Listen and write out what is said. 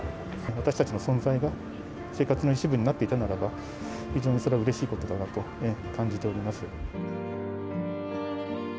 私たちの存在が、生活の一部になっていたならば、非常にそれはうれしいことだなと感じております。